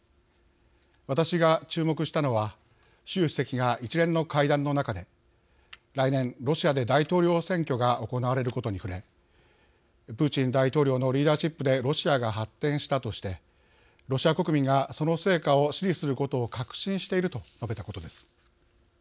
私が注目したのは習主席が一連の会談の中で来年、ロシアで大統領選挙が行われることに触れプーチン大統領のリーダーシップでロシアが発展したとしてロシア国民がその成果を支持することを確信していると述べたことです。